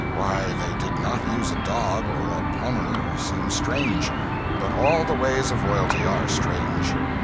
Why they did not use a dog or a plumber seems strange; but all the ways of royalty are strange.